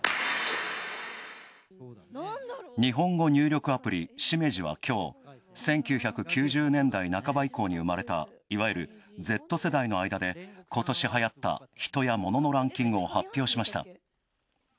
日本語入力アプリＳｉｍｅｊｉは、きょう１９９０年代半ば以降に生まれたいわゆるＺ世代の間でことし、はやった人やモノのランキングを発表しました。